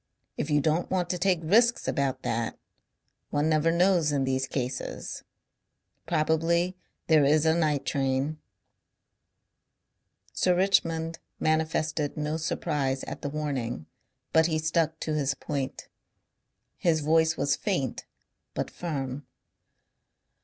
If you don't want to take risks about that ... One never knows in these cases. Probably there is a night train." Sir Richmond manifested no surprise at the warning. But he stuck to his point. His voice was faint but firm.